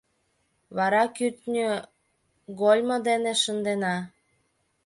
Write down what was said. — Вара кӱртньыгольмо дене шындена.